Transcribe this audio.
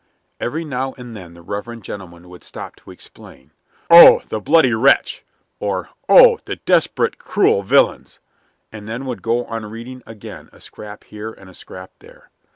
Every now and then the reverend gentleman would stop to exclaim, "Oh, the bloody wretch!" or, "Oh, the desperate, cruel villains!" and then would go on reading again a scrap here and a scrap there.